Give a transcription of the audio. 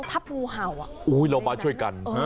พี่พินโย